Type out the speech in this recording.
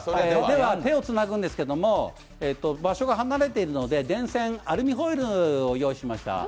では手をつなぐんですけれども、場所が離れているので電線、アルミホイルを用意しました